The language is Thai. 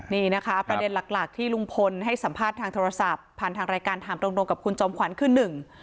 นี่นะคะประเด็นหลักหลักที่ลุงพลให้สัมภาษณ์ทางโทรศัพท์ผ่านทางรายการถามตรงตรงกับคุณจอมขวัญคือหนึ่ง